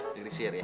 negeri sihir ya